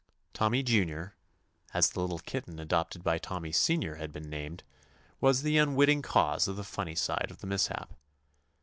Tommy Junior, as the little kitten adopted by Tommy Senior had been named, was the unwitting cause of the funny side of the mishap.